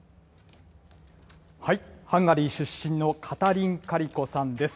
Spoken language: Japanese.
ハンガリー出身のカタリン・カリコさんです。